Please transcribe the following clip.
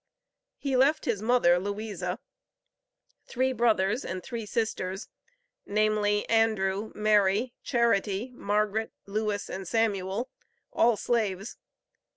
He left his mother, Louisa, three brothers and three sisters, namely: Andrew, Mary, Charity, Margaret, Lewis and Samuel, all slaves.